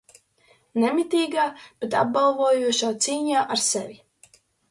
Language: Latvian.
Nemitīgā, bet apbalvojošā cīņā ar sevi.